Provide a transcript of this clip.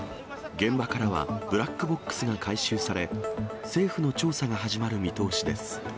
現場からはブラックボックスが回収され、政府の調査が始まる見通しです。